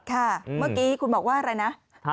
เมื่อกี้คุณบอกว่าอะไรนะ